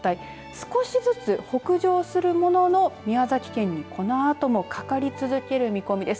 少しずつ北上するものの宮崎県に、このあともかかり続ける見込みです。